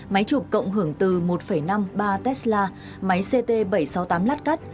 máy chụp cộng hưởng từ một năm mươi ba tesla máy ct bảy trăm sáu mươi tám lát cắt